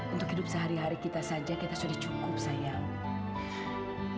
untuk hidup sehari hari kita saja kita sudah cukup sayang